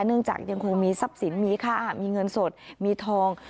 เนื่องจากยังคงมีทรัพย์สินมีค่ามีเงินสดมีทอง